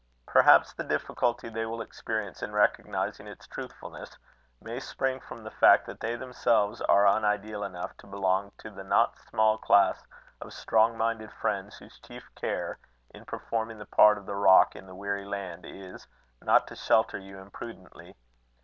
Perhaps the difficulty they will experience in recognizing its truthfulness, may spring from the fact that they themselves are un ideal enough to belong to the not small class of strong minded friends whose chief care, in performing the part of the rock in the weary land, is not to shelter you imprudently.